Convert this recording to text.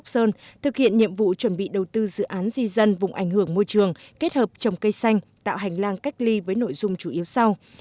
sơn thực hiện nhiệm vụ chuẩn bị đầu tư dự án di dân vùng ảnh hưởng môi trường kết hợp trồng cây xanh tạo hành lang cách ly với nội dung chủ yếu sau